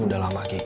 udah lama kiki